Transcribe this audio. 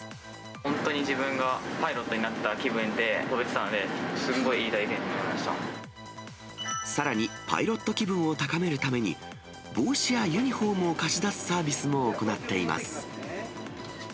本当に自分がパイロットになった気分で飛べてたので、さらに、パイロット気分を高めるために、帽子やユニホームを貸し出すサービスも行っています。